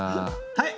はい？